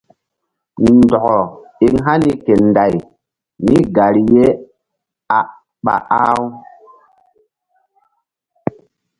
Ndɔkɔ eŋ hani ke Nday mígari ye ɓa ah-u.